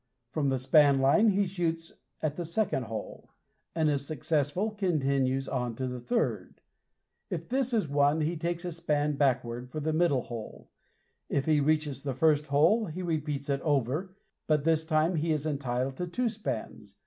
From the span line he shoots at the second hole, and if successful continues on to the third. If this is won, he takes a span backward for the middle hole. If he reaches the first hole, he repeats it over, but this time he is entitled to two spans.